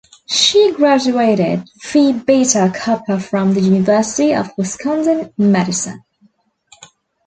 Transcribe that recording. She graduated Phi Beta Kappa from the University of Wisconsin-Madison.